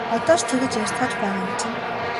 Одоо ч тэгж ярьцгааж байгаа юм чинь!